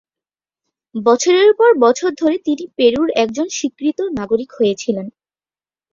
বছরের পর বছর ধরে তিনি পেরুর একজন স্বীকৃত নাগরিক হয়েছিলেন।